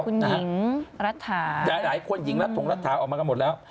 คุณหญิงรัฐาแต่หลายคนหญิงรัฐถงรัฐาออกมากันหมดแล้ว